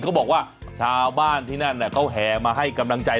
เขาบอกว่าชาวบ้านที่นั่นเขาแห่มาให้กำลังใจ